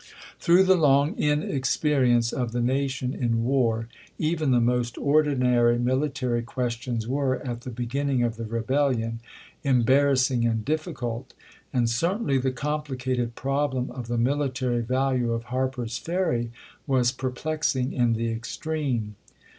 Through the long inexperience of the nation in war, even the most ordinary military questions were, at the beginning of the rebellion, embarrass ing and difficult; and certainly the complicated problem of the military value of Harper's Ferry was perplexing in the extreme.